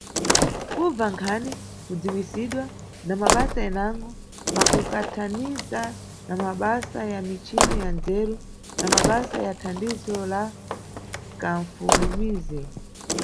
Kubza Nkhani, kudziwisidwa, na mabasa enango, pakukanthaniza na mabasa ya michini ya ndzeru na mabasa ya thandizo la kanʼfulumize.